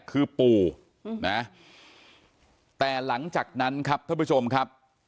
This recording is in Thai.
คือปู่นะแต่หลังจากนั้นครับท่านผู้ชมครับ